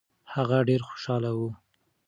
هغه ډېر خوشاله و.